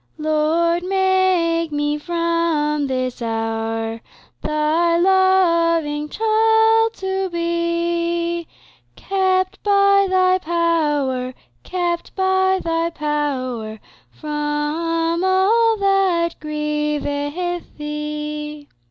"Lord, make me from this hour Thy loving child to be, Kept by Thy power, Kept by Thy power, From all that grieveth Thee."